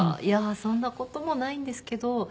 いやそんな事もないんですけど。